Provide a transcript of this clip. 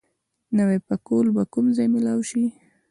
نوی پکول به کوم ځای مېلاو شي؟